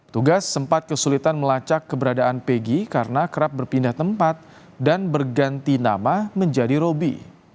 tugas sempat kesulitan melacak keberadaan pegi karena kerap berpindah tempat dan berganti nama menjadi robi